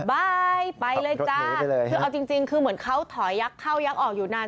บายไปเลยจ้าคือเอาจริงคือเหมือนเขาถอยยักษ์เข้ายักษ์ออกอยู่นาน